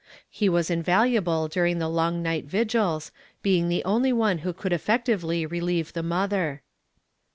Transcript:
He was invaluable during the long night vigils, being the only one who could' effectively relieve tlie mother.